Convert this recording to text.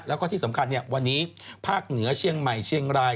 แล้วก็ที่สำคัญวันนี้ภาคเหนือเชียงใหม่เชียงราย